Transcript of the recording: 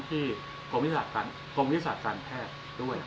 กรมวิทยาศาสตร์การแพทย์ด้วย